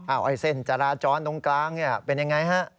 อ้าวไอ้เส้นจราจรตรงกลางนี่เป็นอย่างไรฮะ